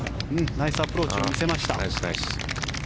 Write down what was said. ナイスアプローチを見せました。